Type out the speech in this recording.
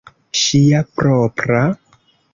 Ŝia propra?